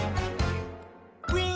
「ウィン！」